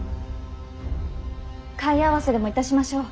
貝合わせでもいたしましょう。